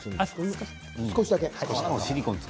少しだけ。